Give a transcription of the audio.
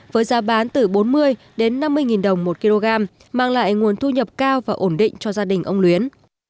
với giá bán từ bốn mươi đến năm mươi nghìn đồng một kg mang lại nguồn thu nhập cao và ổn định cho gia đình ông luyến